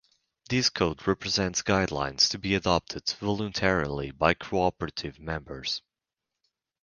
This code represents guidelines to be adopted voluntarily by cooperative members.